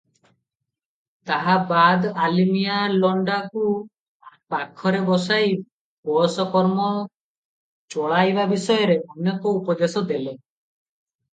"ତାହା ବାଦ ଆଲିମିଆଁ ଲଡ୍କାକୁ ପାଖରେ ବସାଇ ବିଷୟକର୍ମ ଚଳାଇବା ବିଷୟରେ ଅନେକ ଉପଦେଶ ଦେଲେ ।